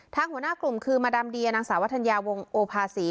ทางหัวหน้ากลุ่มคือมดรดียนังสาวธรรยาวงศ์โอภาษี